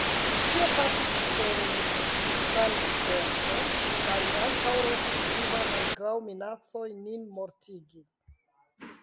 Ĉio pasis sen sangverŝo kaj ni ankaŭ restis vivaj malgraŭ minacoj nin mortigi.